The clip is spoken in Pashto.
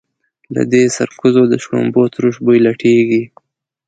له دې سرکوزو د شړومبو تروش بوی لټېږي.